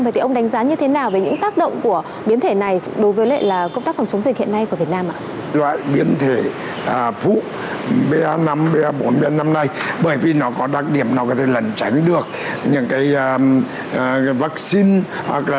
vậy thì ông đánh giá như thế nào về những tác động của biến thể này đối với công tác phòng chống dịch hiện nay của việt nam ạ